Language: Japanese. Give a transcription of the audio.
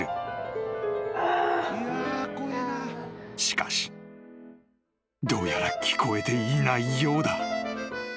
［しかしどうやら聞こえていないようだ］